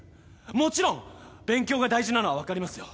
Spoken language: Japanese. もちろん勉強が大事なのは分かりますよ。